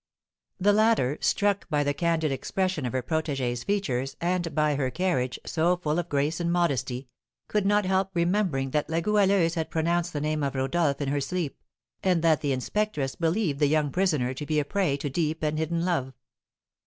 The latter, struck by the candid expression of her protégée's features, and by her carriage, so full of grace and modesty, could not help remembering that La Goualeuse had pronounced the name of Rodolph in her sleep, and that the inspectress believed the youthful prisoner to be a prey to deep and hidden love.